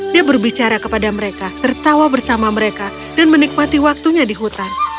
dia berbicara kepada mereka tertawa bersama mereka dan menikmati waktunya di hutan